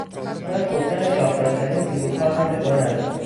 او از گفتن شاخدارترین دروغها هم ابا ندارد.